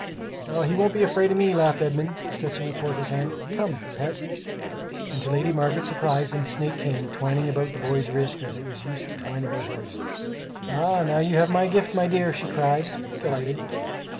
"He won't be afraid of me," laughed Edmund, stretching forth his hand; "come, pet!" And to Lady Margaret's surprise the snake came, twining about the boy's wrist as it was used to twine about hers. "Ah, you have my gift, my dear!" she cried, delighted.